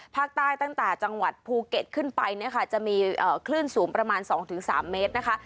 ภาคใต้ตั้งแต่จังหวัดภูเก็ตขึ้นไปจะมีคลื่นสูงประมาณ๒๓เมตรนะคะ